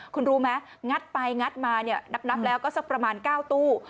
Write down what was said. คุณรู้ไหมงัดไปงัดมาเนี่ยนับแล้วก็สักประมาณ๙ตู้